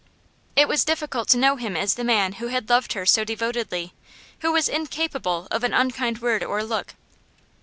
It was difficult to know him as the man who had loved her so devotedly, who was incapable of an unkind word or look.